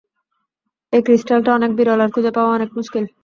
এই ক্রিস্টালটা অনেক বিরল আর খুঁজে পাওয়া অনেক মুশকিল।